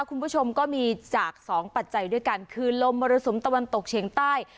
คุณผู้ชมก็มีจากสองปัจจัยด้วยกันคือลมมรสุมตะวันตกเฉียงใต้